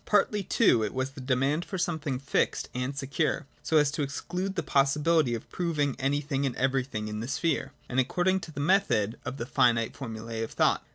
Partly, too, it was the demand for something fixed and secure, so as to exclude the possibility of proving any thing and everything in the sphere, and according to the method, of the finite formulae of thought.